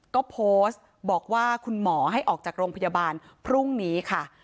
ก็โพสต์บอกว่าคุณหมอให้ออกจากโรงพยาบาลพรุ่งนี้ค่ะ